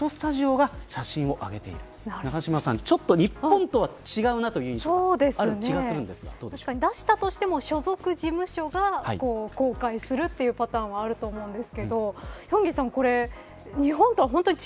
永島さん、ちょっと日本とは違うなという印象が確かに出したとしても所属事務所が公開するというパターンもあると思うんですけどヒョンギさん